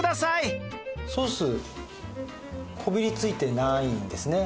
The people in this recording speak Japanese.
ソースこびりついてないんですね。